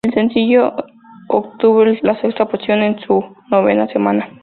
El sencillo obtuvo la sexta posición en su novena semana.